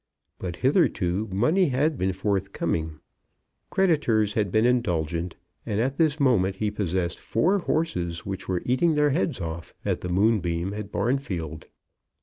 But hitherto money had been forthcoming, creditors had been indulgent, and at this moment he possessed four horses which were eating their heads off at the Moonbeam, at Barnfield.